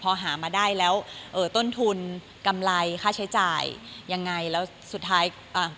พอหามาได้แล้วเอ่อต้นทุนกำไรค่าใช้จ่ายยังไงแล้วสุดท้ายอ่ะ